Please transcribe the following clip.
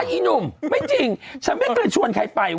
อีหนุ่มไม่จริงฉันไม่เคยชวนใครไป